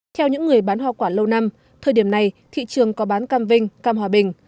theo những người bán hoa quả lâu năm thời điểm này thị trường có bán cam vinh cam hòa bình